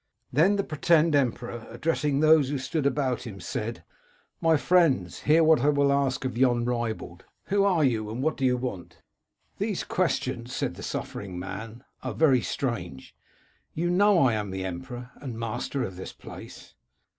Then the pretended emperor, addressing those who stood about him, said :' My friends, hear what I will ask of yon ribald. Who are you ? And what do you want ?'"* These questions,' said the suffering man, * are very strange. You know I am the emperor, and master of this place.'